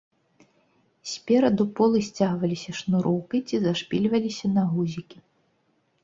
Спераду полы сцягваліся шнуроўкай ці зашпільваліся на гузікі.